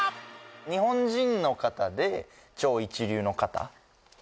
日本人の方で超一流の方